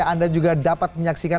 terima kasih anda juga dapat menyaksikan